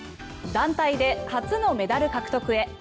団体で初のメダル獲得へ。